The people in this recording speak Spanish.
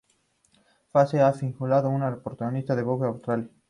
Fraser ha figurado en la portada de Vogue Australia.